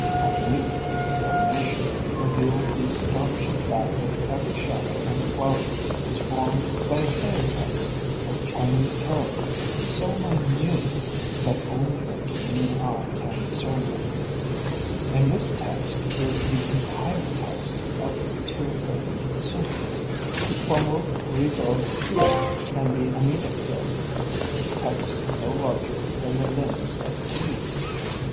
Minute examination reveals the astonishing fact that every shadow and clouding is formed by a fairy text of Chinese characters so minute that only a keen eye can discern them; and this text is the entire text of two famed sutras the Kwammu ryjo kyo and the Amida kyo 'text no larger than the limbs of fleas.'